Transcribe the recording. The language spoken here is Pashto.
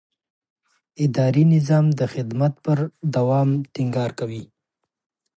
اداري نظام د خدمت پر دوام ټینګار کوي.